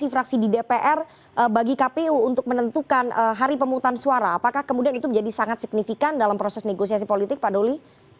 fraksi fraksi di dpr bagi kpu untuk menentukan hari pemutusan suara apakah kemudian itu menjadi sangat signifikan dalam proses negosiasi politik pak doli